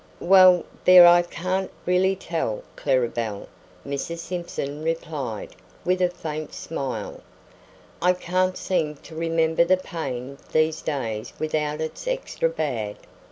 "Well, there, I can't hardly tell, Clara Belle," Mrs. Simpson replied, with a faint smile. "I can't seem to remember the pain these days without it's extra bad.